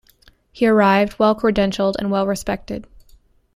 He arrived well-credentialed and well-respected.